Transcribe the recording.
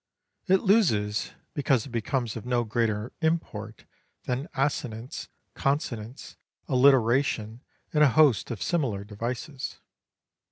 It loses because it becomes of no greater import than assonance, consonance, alliteration, and a host of similar devices.